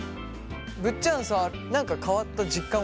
ぐっちゃんさぁ何か変わった実感はある？